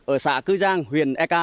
ở xã cư giang huyền ek